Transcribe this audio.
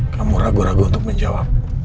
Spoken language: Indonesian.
kamu ragu ragu untuk menjawab